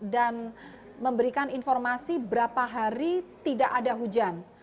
dan memberikan informasi berapa hari tidak ada hujan